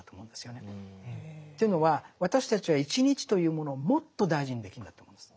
というのは私たちは１日というものをもっと大事にできるんだと思うんです。